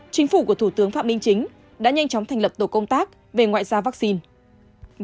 chính phủ của thủ tướng phạm minh chính đã nhanh chóng thành lập tổ công tác về ngoại giao vaccine